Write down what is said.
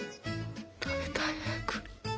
食べたい早く。